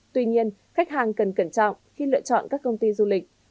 tuy nhiên khách hàng cần cẩn trọng khi lựa chọn các công ty du lịch